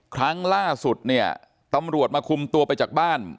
ครั้งล่าสุดเนี่ยตำรวจมาคุมตัวไปจากบ้าน